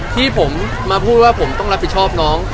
ที่ผมมาพูดว่าผมต้องรับผิดชอบน้อง